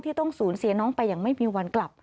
ต้องสูญเสียน้องไปอย่างไม่มีวันกลับ